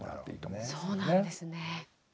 そうなんですね。